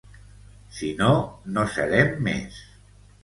Si no, no serem més.